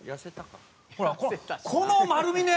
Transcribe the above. ほらこの丸みね！